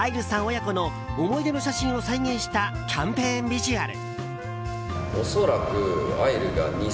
親子の思い出の写真を再現したキャンペーンビジュアル。